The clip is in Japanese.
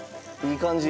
いい感じ。